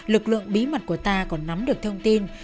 lực lượng bí mật của ta còn nắm được thông tin